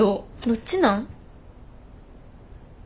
どっちなん？